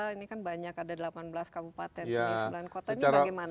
ini kan banyak ada delapan belas kabupaten sembilan kota ini bagaimana